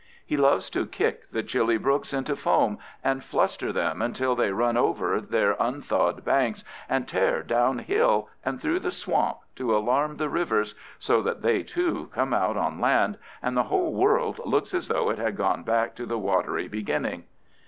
He loves to kick the chilly brooks into foam and fluster them until they run over their unthawed banks and tear downhill and through the swamp to alarm the rivers, so that they, too, come out on land and the whole world looks as though it had gone back to the watery beginning.